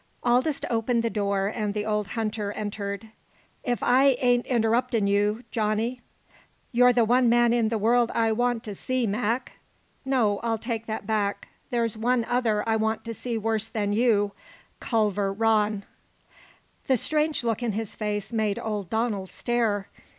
Aldous opened the door and the old hunter entered. "If I ain't interruptin' you, Johnny " "You're the one man in the world I want to see, Mac. No, I'll take that back; there's one other I want to see worse than you Culver Rann." The strange look in his face made old Donald stare.